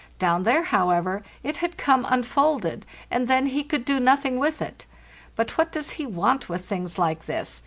Down there, how ever, it had come unfolded, and then he could do nothing with it. But what does he want with things like this?